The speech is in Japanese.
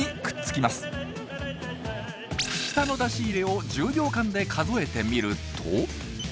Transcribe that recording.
舌の出し入れを１０秒間で数えてみると。